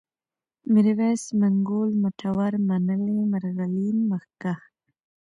ميرويس ، منگول ، مټور ، منلی ، مرغلين ، مخکښ